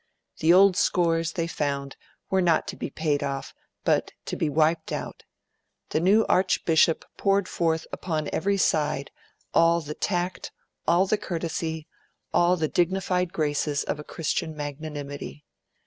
The old scores, they found, were not to be paid off, but to be wiped out. The new archbishop poured forth upon every side all the tact, all the courtesy, all the dignified graces of a Christian magnanimity.